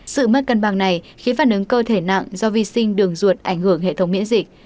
sự mất cân bằng này khiến phản ứng cơ thể nặng do vi sinh đường ruột ảnh hưởng hệ thống miễn dịch